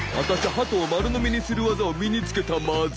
ハトを丸のみにするワザを身につけたマズ。